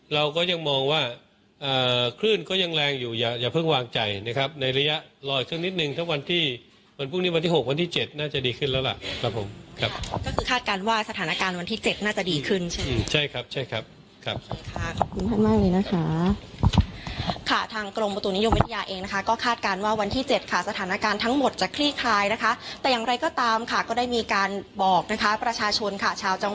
เราก็ยังมองว่าคลื่นก็ยังแรงอยู่อย่าเพิ่งวางใจนะครับในระยะรออีกครั้งนิดนึง